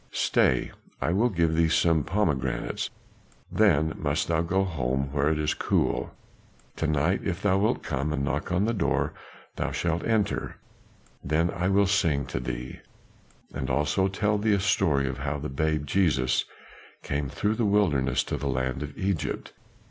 Stay I will give thee some pomegranates, then must thou go home where it is cool. To night if thou wilt come and knock on the door thou shalt enter, then I will sing to thee, and also tell thee a story of how the babe Jesus came through the wilderness to the land of Egypt."